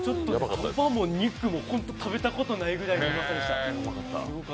そばも肉も食べたことないぐらいのうまさでした。